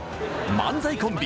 漫才コンビ